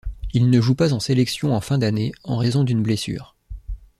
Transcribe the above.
Il ne joue pas en sélection en fin d'année en raison d'une blessure.